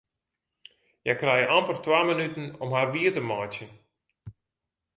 Hja krije amper twa minuten om har wier te meitsjen.